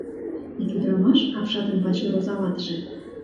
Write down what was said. Ик ӱдырамаш, апшатын пачер оза ватыже.